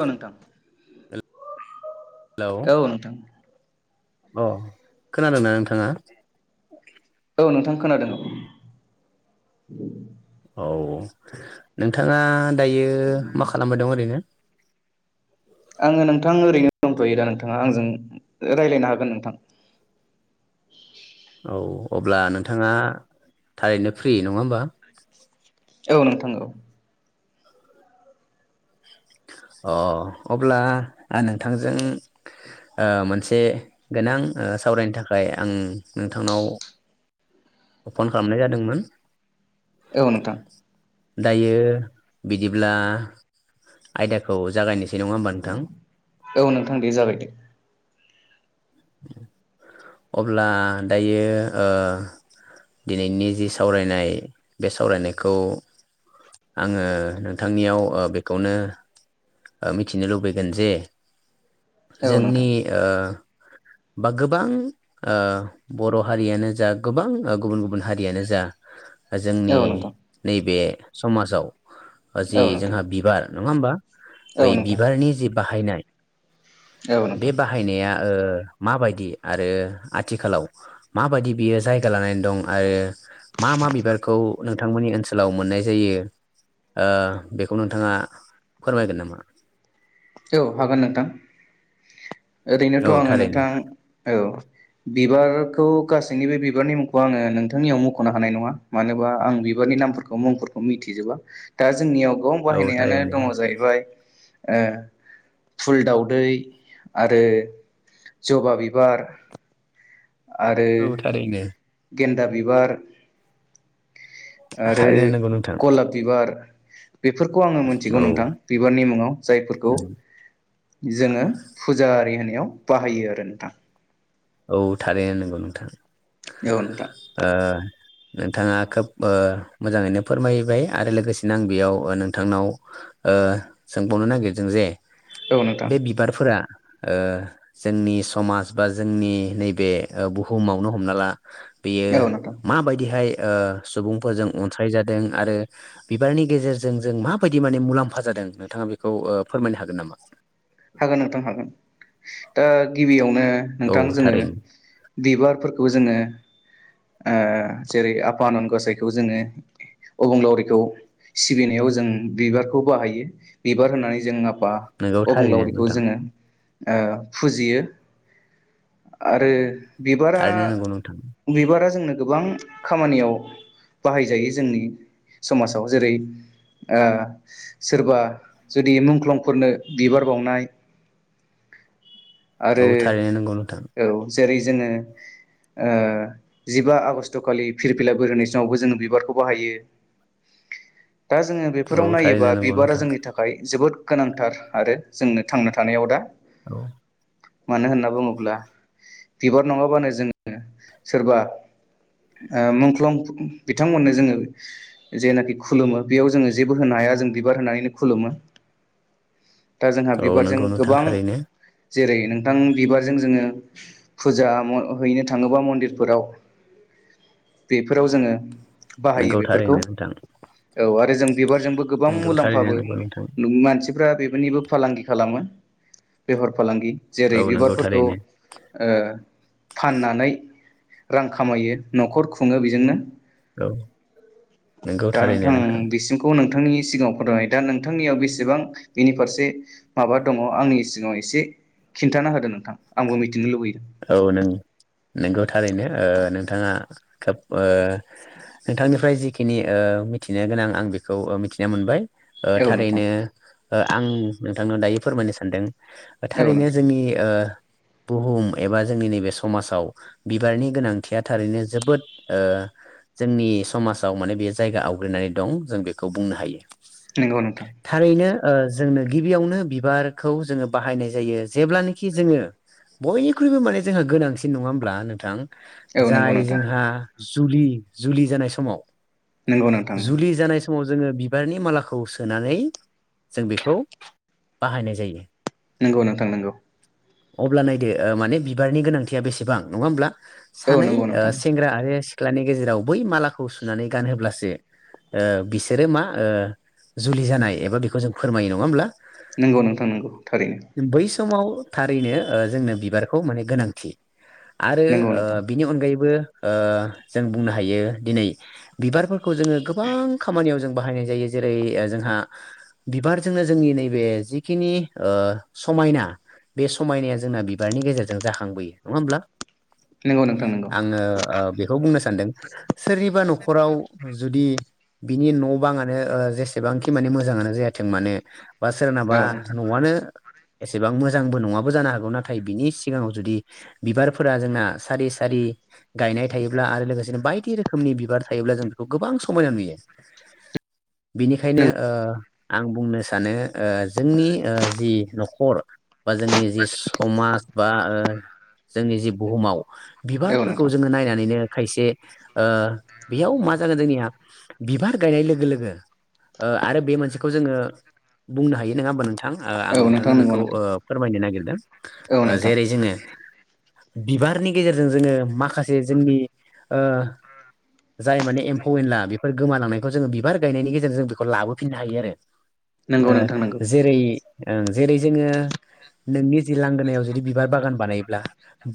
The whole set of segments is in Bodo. औ नोंथां हेलौ औ नोंथां अ खोनादोंना नोंथाङा? औ नोंथां खोनादों औ औ नोंथाङा दायो मा खालामबाय दं ओरैनो? आङो नोंथां ओरैनो दंथ'यो दा नोंथाङा आंजों रायलायनो हागोन नोंथां औ अब्ला नोंथाङा थारैनो फ्रि नङा होमबा? औ नोंथां औ अ अब्ला आं नोंथांजों ओ मोनसे गोनां ओ सावरायनो थाखाय आं नोंथांनाव अपन खालामनाय जादोंमोन। औ नोंथां। दायो बिदिब्ला आयदाखौ जागायनोसै नङा होमबा नोंथां औ नोंथां दे‌ जाबाय दे अब्ला दायो ओ दिनैनि जि सावरायनाय बे सावरायनायखौ आङो नोंथांनियाव ओ बेखौनो ओ मिथिनो लुबैगोन जे औ नोंथां जोंनि ओ बा गोबां ओ बर' हारियानो जा गोबां गुबुन गुबुन हारियानो जा जोंनि औ नोंथां नैबे समाजाव जि औ नोंथां औ नोंथां जोंहा बिबार नङा होमबा? बै औ बिबारनि जि बाहायनाय नोंथां बे बाहायनाया ओ माबायदि आरो आथिखालाव माबायदि बियो जायगा लानानै दं आरो मा मा बिबारखौ नोंथांमोननि ओनसोलाव मोननाय जायो ओ बेखौ नोंथाङा फोरमायगोन नामा? औ हागोन नोंथां। ओरैनोथ' औ आङो थारैनो नोंथां औ बिबार खौ गासैनि बे बिबारनि मुंखौ आङो नोंथांनियाव मख'नो हानाय नङा मानोबा आं बिबारनि नामफोरखौ मुंफोरखौ मिथिजोबा दाज जोंनियाव गोबां औ बाहायनायानो थारैनो दङ जाहैबाय ए फुल दाावदै आरो जबा बिबार आरो औ थारैनो गेन्दा बिबार आरो थारैनो नंगौ नोंथां गलाब बिबार बेफोरखौ आङो औ मोनथिगौ नोंथां बिबारनि मुङाव जायफोरखौ जोङो फुजा होनो बाहायो आरो नोंथां औ थारैनो नोंगौ नोंथां औ नोंथां ओ नोंथाङा खोब ओ मोजाङैनो फोरमायबाय आरो लोगोसेनो आं बेयाव नोंथांनाव ओ सोंबावनो नागिरदों जे औ नोंथां बे बिबारफोरा ओ जोंनि समाज बा जोंनि नैबे बुहुमावनो हमना ला बेयो औ नोंथां माबायदिहाय ओ सुबुंफोरजों अनसायज जादों आरो बिबारनि गेजेरजों जों माबायदि माने मुलाम्फा जादों नोंथाङा बेखौ ओ फोरमायनो हागोन नामा हागोन नोंथां हागोन ओ गिबियावनो औ नोंथां जोङो थारैनो बिबारफोरखौ जोङो ओ जेरै आफा आनान गसायखौ जोङो अबंलावरिखौ सिबिनायाव जों बिबारखौ बाहायो बिबार होननानै जों बा नंगौ अबंलाव थारैनो बेखौ नोंथां जोङो ओ फुजियो आरो बिबारा थारैनो नंगौ नोंथां बिबारा जोंनो गोबां खामानियाव बाहायजायो जोंनि समाजाव जेरै ओ सोरबा जुदि मुंख्लंफोरनो बिबार बावनाय [unintelligible] आरो औ थारैनो नंगौ नोंथां औ जेरै जोङो ओ जिबा आगष्ट खालि फिरफिला बिरहोनाय समावबो जोो बिबारखौ बाहायो दा जोङो औ बेफोराव नायोबा थारैनो नंगौ बिबारा नोंथां जोंनि थाखाय जोबोद गोनांथार आरो जोंनो थांनो थानायाव दा औ मानो होनना बुङोब्ला बिबार नङाबानो जोङो सोरबा ओ मुंख्लं बिथांमोननो जोङो जेनाखि खुलुमो बेयाव जोङो जेबो होनो हाया जों बिबार होनानैनो खुलुमो। दा जोंहा बि औ नंगौ नोंथां थारैनो जेरै नोंथां बिबारजों जोङो फुजा म हैनो थाङोबा मन्दिरफोराव बेफोराव जोङो बाहायो नंगौ बेफोरखौ थारैनो नोंथां औ आरो जों बिबारजोंबो गोबां नोंगौ थारैनो मुलाम्फाबो नंगौ नोंथां नों मानसि फोरा बेबोनिबो फालांगि खालामो बेफोर फालांगि औ जेरै नंगौ बिबारफोरखौ थारैनो ओ फाननानै रां खामायो न'खर खुङो बेजोंनो। औ नोंगौ दा थारैनो नोंथां बिसिमखौ नों नोंथांनि सिगाङाव फदनाय दा नोंथांनियाव बेसेबां बिनि फारसे माबा दङ आंनि सिगाङाव एसे खिन्थाना होदो नों थां आंबो मिथिनो लुबैयो औ नों नोंगौ थारैनो ओ नोंथाङा खोब अ नोंथांनिफ्राय जिखिनि ओ मिथिनो गोनां आं बेखौ मिथिना मोनबाय ओ औ नोंथां थारैनो ओ आं आङो दायो फोरमायनो सानदों औ थारैनो नोंथां जोंनि ओ बुहुम एबा जोंनि नैबे समाजाव बिबारनि गोनांथिया थारैनो जोबोद ओ जोंनि समाजाव माने बे जायगा आवग्रिनानै दं जों बेखौ बुंनो हायो। नंगौ नोंथां थारैनो ओ जोंनो गिबियावनो बिबारखौ जोङो बाहायनाय जायो जेब्लानेखि जोङो बय- ख्रुइबो माने जोंहा गोनांसिन नङा होनोमब्ला नोंथां औ नंगौ जाय नोंथां जोंहा जुलि जुलि जानाय समाव नंगौ नोंथां नंगौ जुलि जानाय समाव जोङो बिबारनि मालाखौ सोनानै जों बेखौ बाहायनाय जायो। नंगौ नोंथां नंगौ अब्ला नायदो माने बिबारनि गोनांथिया बेसेबां नङा होमब्ला औ सानै नंगौ अ नोंथां सेंग्रा आरो सिख्लानि गेजेराव बै मालाखौ सुनानै गानहोब्लासो ओ बिसोरो मा ओ जुलि जानाय एबा बेखौ जों फोरमायो नङा होमब्ला नंगौ नोंथां नंगौ थारैनो बै समाव थारैनो ओ जोंनो बि- बारखौ माने गोनांथि आरो नंगौ नोंथां ओ अनगायैबो ओ जों बुंनो हायो दिनै बिबारफोर- खौ जोङो गोबां खामानियाव जों बाहायनाय जायो जेरै ओ जोंहा बिबारजोंनो जोंनि नैबे जिखिनि ओ समायना बे समायनाया जोंना बि- बिबारनि गेजेरजों जाखांबोयो नङा होमब्ला? नंगौ नोंथां नंगौ आङो ओ बेखौ बुंनो सानदों सोरनिबा न'खराव जुदि बिनि न' बाङानो जेसेबांखि माने मोजाङानो जायाथों मानो बा सोरनाबा औ नोंथां न'आनो एसेबां मोजांबो नङाबो जानो हागौ ना थाय बिनि सिगाङाव जुदि बिबारफोरा जोंना सारि सारि गायनाय थायोब्ला आरो लोगोसेनो बाय दि रोखोमनि बिबार थायोब्ला जों बेखौ गोबां समायना नुयो। बिनिखायनो ओ आं बुंनो सानो ओ जोंनि ओ जि न'खर बा जोंनि जि बा ओ जोंनि जि बुहुमाव औ बिबारफोरखौ नोंथां जोङो नायनानैनो खायसे ओ बेयाव मा जागोन जोंनिया बिबार गायनाय लोगो लोगो ओ आरो बे मोनसेखौ जोङो बुंनो हायो नोङा होमबा नोंथां थां आं औ नोंथां नोंथांनो नंगौ बेखौ नोंथां ओ फोरमायनो नागिरदों औ [unintelligible] ओ नोंथां जेरै जोङो बिबारनि गेजेरजों जोङो माखासे जोंनि ओ जाय माने एम्फौ एनला बेफोर गोमालांनायखौ जोङो बिबार गायनायनि गेजेरजों जों बेखौ लाबोफिननो हायो आरो ओ नंगौ नोंथां नंगौ जेरै ओं जेरै जोङो नोंनि जि लांगोनायाव जुदि बिबार बागान बानायोब्ला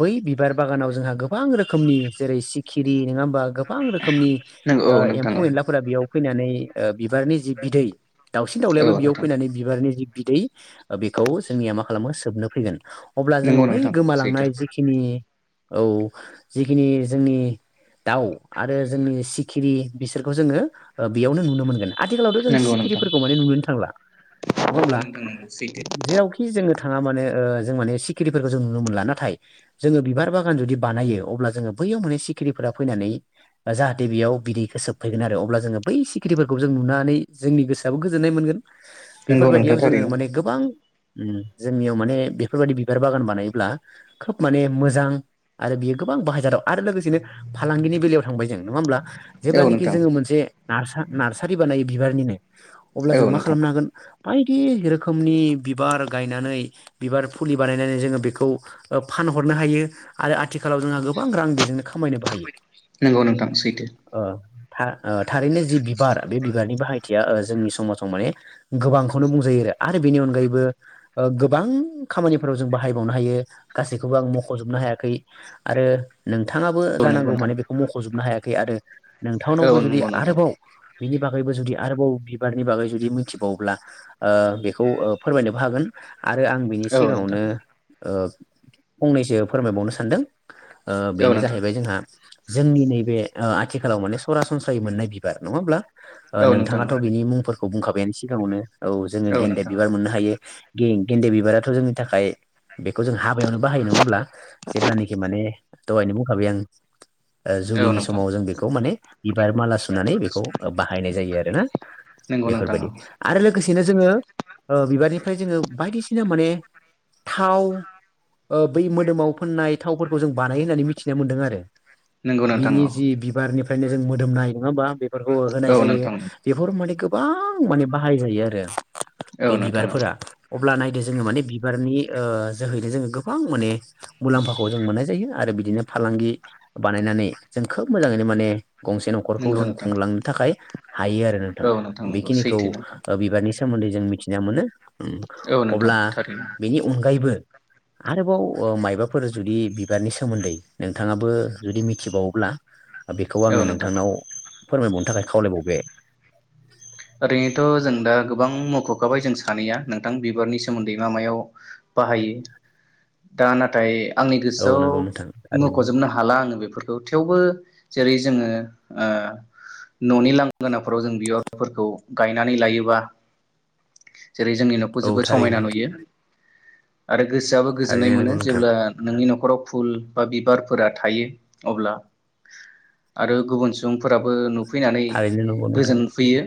बै बिबार बागानाव जोंहा गोबां रोखोमनि जेरै सिखिरि नोङा होमबा गोबां रो खोमनि नंगौ औ ओ नोंथां एम्फौ औ एनलाफोरा बेयाव फैनानै ओ बिबारनि जि बिदै दाउसिन दावउलायाबो औ बेयाव नोंथां फैनानै बिबारनि जि बिदै बेखौ जोंनिया मा खालामो सोबनो फैगोन अब्ला जोङो नंगौ बै नोंथां सैथो गोमालांनाय जिखिनि औ जिखिनि जोंनि दाउ आरो जोंनि सिखिरि बिसोरखौ जोङो ओ बेयावनो नुनो मोनगोन आथिखालावथ' जों नंगौ नोंथां सिखिरिफोरखौ माने नुनोनो थांला नङा नंगौ होमब्ला नोंथां नंगौ सैथो जेरावखि जोङो थाङा मानो ओ जों माने सिखिरिफोरखौ जों नुनो मोनला नाथाय जोङो बिबार बागान जुदि बानायो अब्ला जोङो बैयाव माने सिखिरिफोरा फैनानै जाहाथे बेयाव बिदैखौ सोबफैगोन आरो अब्ला जोङो बै सिखिरिफोरखौ जों नुनानै जोंनि गोसोआबो गोजोन्नाय मोनगोन नंगौ नोंथां बेफोरबायदियाव जोङो थारैनो माने गोबां उम जोंनियाव माने बेफोरबायदि बिबार बागान बानायोब्ला खोब माने मोजां आरो बियो गोबां बाहायजा दाव आरो लोगोसेनो फालांगिनि बेलायाव थांबाय जों नङा होमब्ला औ जेब्लानोखि नोंथां जोङो मोनसे नारसा नार्सारि बानायो बिबारनिनो अब्ला औ जों मा नोंथां खालामनो हागोन बायदि रोखोमनि बिबार गायनानै बिबार फुलि बानायनानै जोङो बेखौ फानहरनो हायो आरो आथिखालाव जोंहा गोबां रां बेजोंनो खामायनोबो हायो नंगौ नोंथां सैथो ओ [unintelligible] ओ थारैनो जि बिबार बे बि बिबारनि बाहायथिया जोंनि समाजाव माने गोबांखौनो बुंजायो आरो आरो बेनि अनगायैबो ओ गोबां खामानिफोराव जों बाहायबावनो हायो गासैखौबो आं मख'जोबनो हायाखै आरो नों थाङाबो औ नंगौ जानांगौ नोंथां माने बेखौ मख'जोबनो हाया। आरो नोंथांनावबो औ जुदि नंगौ नोंथां आरोबाव बिनि बागैबो जुदि आरोबाव बिबारनि बागै जुदि मिथिबावोब्ला ओ बेखौ फोरमायनोबो हागोन आरो आं बे औ नोंथां सिगाङावनो ओ फंनैसो फोरमायबावनो सानदों। ओ औ बेनो नोंथां जाहैबाय जोंहा जोंनि नैबे ओ आथिखालाव माने सरासनस्रायै मोननाय बिबार नङा होमब्ला? ओ औ नोंथां नोंथाङाथ' बिनि मुंफोर बुंखाबायानो सिगाङावनो। औ जोङो औ गेन्दे नोंथां बिबार मोननो हायो। गेन गेन्दे बिबारा जोंनि थाखाय बेखौ जों हाबायावनो बाहायो नङा होमब्ला जेब्लानोखि माने दहायनो बुंखाबाय आं ओ औ जुलिनि नोंथां समाव जों बेखौ माने बिबार माला सुनानै बेखौ बाहायनाय जायो आरो ना नंगौ नोंथां औ बेफोरबायदि आरो लोगोसेनो जोङो ओ बिबारनिफ्राय जोङो बायदिसिना माने थाव ओ बै मोदोमाव फोननाय थावफोरखौ जों बानायो होननानै मिथिना मोन्दों आरो नंगौ नोंथां औ बिनि जि बिबारनिफा बे जों मोदोमनाय नङा होमबा? बेफोरखौ होनाय औ जायो नोंथां बेफोर माने गोब गोबां माने बाहायजायो आरो। औ बे नोंथां औ बिबारफोरा अब्ला नायदोस जोङो माने बि बिबारनि ओ जोहैनो जोङो गोबां माने मुलाम्फाखौ जों मोननाय जायो आरो बिदिनो फालांगि बानायनानै जों खोब मोजाङैनो माने गंसे न'खरखौ नंगौ जों नोंथां खुंलांनो थाखाय। हायो आरो नोंथां औ नंगौ बेखिनिखौ सैथो नोंथां बिबारनि सो सोमोन्दै जों मिथिना मोनो औ नोंथां अब्ला थारैनो बेनि अनगायैबो आरोबाव मायबाफोर जुदि बिबारनि सोमोन्दै नोंथाङाबो जुदि मिथिबावोब्ला बेखौ आङो औ नोंथां नोंथांनाव फोरमायबावनो थाखाय खावलायबावबाय ओरैनोथ' जों दा गोबां मख'खाबाय जों सानैया नोंथां बिबारनि सोमोन्दै मा मायाव बाहायो दा नाथाय आंनि औ गोसोआव नंगौ नोंथां थारैनो मख'जोबनो हाला आङो बेफोरखौ थेवबो जेरै जोङो ओ न'नि लांगोनाफोराव जों बियाव बिबारफोरखौ गायनानै लायोबा जेरै जोंनि न'खौ औ जोबोद समायना थारैनो नुयो आरो गोसोआबो गोजोननाय थारैनो मोनो नंगौ नोंथां जेब्ला नोंनि न'खराव फुल बा बिबार फोरा थायो अब्ला आरो गुबुन सुबुंफोराबो नु फैनानै थारैनो नंगौ नोंथां गोजोन यो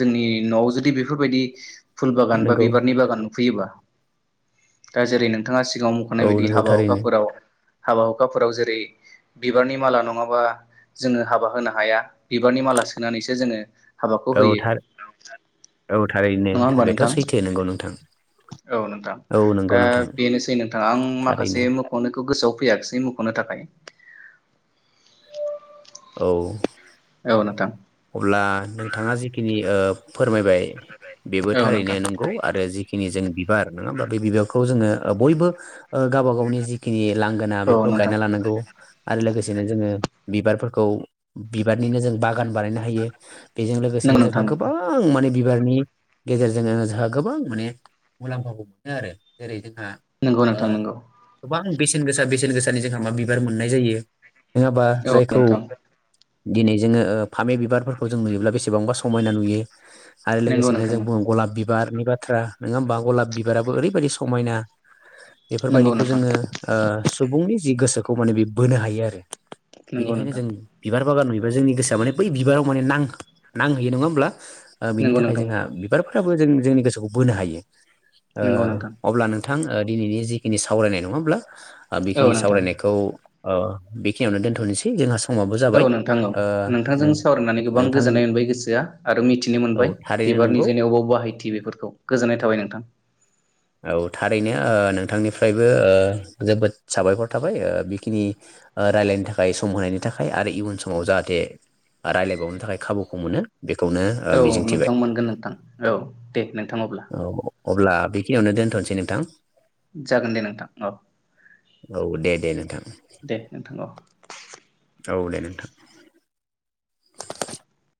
जोंनि न'आव जुदि बेफोरबायदि फुल बागान बा नंगौ बिबारनि बागान नुफैयोबा दा जेरै- नोंथाङा सिगाङाव मख'नाय औ बायदि नंगौ हाबा थारैनो हुखाफोराव हाबा हुखाफोराव जेरै- बिबारनि माला नङाबा जोङो हाबा होनो हाया बिबारनि माला सो नानैसो जोङो हाबाखौ औ होयो थार औ थारैनो नङा होमबा बेथ' नोंथां सैथो नंगौ नोंथां औ नोंथां औ नंगौ दा नोंथां बेनोसै नोंथां आं थारैनो माखासे मोख'नोखौ गोसोआव फैयासै मख'नो थाखाय औ औ नोथां अब्ला नोंथाङा जिखिनि ओ फोरमायबाय बेबो औ थारैनो नोंथां नंगौ आरो जिखिनि जों बि बार नङा होमबा बे बिबारखौ जोङो ओ बयबो ओ गावबा गावनि जिखिनि लांगोना औ बेफोराव नोंथां गायना लानांगौ आरो लोगोसे बिदिनो जोङो बिबारफोरखौ बिबारनिनो जों बागान बानायना हायो बेजों नंगौ लोगोसेनो जोंहा नोंथां नंगौ गोबां माने बिबारनि गेजेरजों जोंहा गोबां माने मुलाम्फाखौ मोनो आरो जेरै- जों हा नंगौ ओ नोंथां नंगौ गोबां बेसेन गोसा बेसेन गोसानि जोंहा मा बिबार मोनो मोननाय जायो। नङाबा औ जायखौ नोंथां दिनै जोङो ओ फामे बि बारफोरखौ जों नुयोब्ला बेसेबांबा समायना नुयो आरो नंगौ लोगोसेनो नोंथां जों बुङो गलाब बिबारनि बाथ्रा नोङा होमबा गलाब बिबाराबो ओरैबायदि समायना नंगौ नंगौ बेफोरबायदिखौ नोंथां जोङो ओ सुबुंनि जि गोसोखौ माने बि बोनो हायो आरो नंगौ बिनिखायनो नोंथां जों बिबार बागान नुयोबा जोंनि गोसोआ माने बै बिबाराव नां-नांहैयो नङा होमब्ला ओ बिनि नंगौ थाखाय नोंथां जोंहा नंगौ बिबारफोराबो जों जोंनि गोसोखौ बोनो हायो। ओ नंगौ नोंथां अब्ला नों थां दिनैनि जिखिनि सावरायनायखौ होमब्ला ओ औ बिखिनि नोंथां सावरायनायखौ अ बिखिनियावनो दोनथ'नोसै जोंहा स समाबो जाबाय ओ नों मोननानै गोबां नोंथां गोजोन्नाय मोनबाय गोसोआ आरो मिथिनो औ मोनबाय थारैनो बिबारनि नंगौ जेने अबाव बाहायथि बेफोरखौ गोजोननाय थाबाय नोंथां। औ थारैनो ओ नोंथांनिफ्रायबो ओ जोबोद साबायखर थाबाय ओ बिखिनि ओ रायलायनो थाखाय सम होनायनि थाखाय आरो इयुन समाव जाहाथे रायलायबावनो थाखाय खाबुखौ मोनो बेखौनो ओ औ मिजिंथिबाय नोंथां मोनगोन नोंथां औ दे नोंथां अब्ला। औ अब्ला बे खिनियावनो दोनथ'नोसै नोंथां। जागोन दे नोंथां औ। औ दे दे नोंथां। दे नोंथां औ औ दे नोंथां। [inaudible]